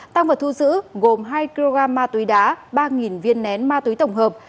tăng vật thu giữ gồm hai kg ma túy đá ba viên nén ma túy tổng hợp